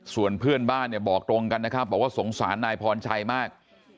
ส่วนเพื่อนบ้านเนี่ยบอกตรงกันนะครับบอกว่าสงสารนายพรชัยมาก